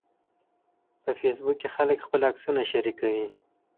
په فېسبوک کې خلک خپل عکسونه شریکوي